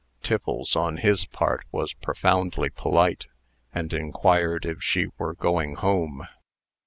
Tiffles, on his part, was profoundly polite, and inquired if she were going home.